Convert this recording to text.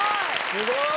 ・すごい！